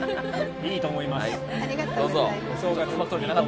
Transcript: いいと思います。